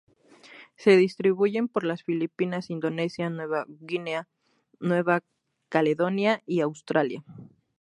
Se distribuyen por las Filipinas, Indonesia, Nueva Guinea, Nueva Caledonia y Australia.